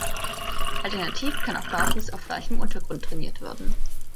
Alternativ kann auch barfuß auf weichem Untergrund trainiert werden.